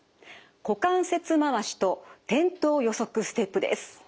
股関節回しと転倒予測ステップです。